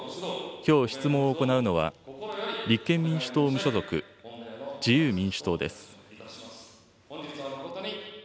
きょう、質問を行うのは、立憲民主党・無所属、自由民主党です。